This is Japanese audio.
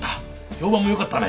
評判もよかったね。